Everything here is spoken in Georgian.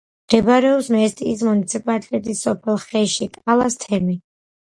მდებარეობს მესტიის მუნიციპალიტეტის სოფელ ხეში, კალას თემი.